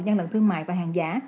gian lận thương mại và hàng giả